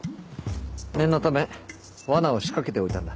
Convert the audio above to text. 念のため罠を仕掛けておいたんだ。